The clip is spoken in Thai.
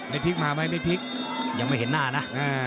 เห็นพลิกมามั้ยอย่างไม่เห็นหน้านะ